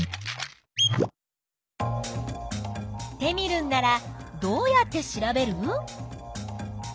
テミルンならどうやって調べる？